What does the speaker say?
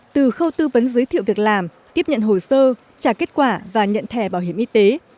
từ khâu tư vấn giới thiệu việc làm tiếp nhận hồ sơ trả kết quả và nhận thẻ bảo hiểm y tế